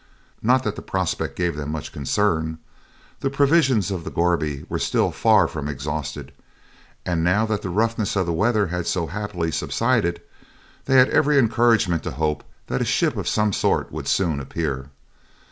Not that the prospect gave them much concern: the provisions of the gourbi were still far from exhausted, and now that the roughness of the weather had so happily subsided, they had every encouragement to hope that a ship of some sort would soon appear.